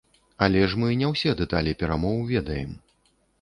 Але ж мы не ўсе дэталі перамоў ведаем.